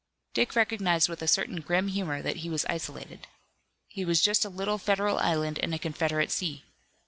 Dick recognized with a certain grim humor that he was isolated. He was just a little Federal island in a Confederate sea.